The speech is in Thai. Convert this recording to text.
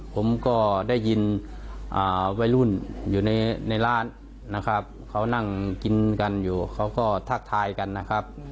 ผมก็ได้ยินวัยรุ่นอยู่ในร้านนะครับเขานั่งกินกันอยู่เขาก็ทักทายกันนะครับ